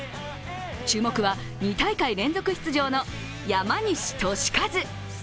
注目は２大会連続出場の山西利和。